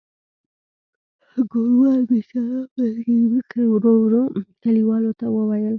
ګوروان بیچاره په زګیروي کې ورو ورو کلیوالو ته وویل.